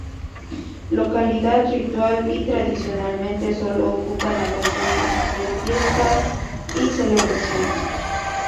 Localidad ritual y tradicionalmente sólo ocupado en ocasiones de fiestas y celebraciones.